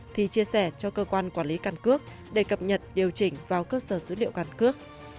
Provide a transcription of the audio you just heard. thì chia sẻ cho cơ quan quản lý căn cước để cập nhật điều chỉnh vào cơ sở dữ liệu căn cước